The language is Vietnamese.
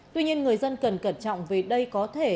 tuy nhiên người dân cần cẩn trọng vì đây có thể